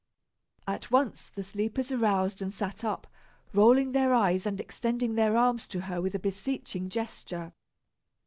At once the sleepers aroused and sat up, rolling their eyes and extending their arms to her with a beseeching gesture.